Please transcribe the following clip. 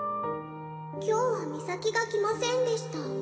「今日はミサキが来ませんでした」